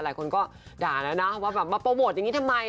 หลายคนก็ด่าแล้วนะว่าแบบมาโปรโมทอย่างนี้ทำไม